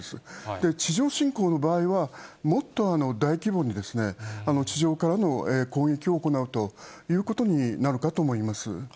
で、地上侵攻の場合は、もっと大規模に、地上からの攻撃を行うということになるかと思います。